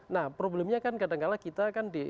nah problemnya kan kadang kadang kita kan